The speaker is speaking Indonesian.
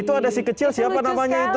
itu ada si kecil siapa namanya itu